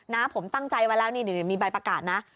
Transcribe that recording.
นะผมตั้งใจไว้แล้วนี่มีใบประกาศนะ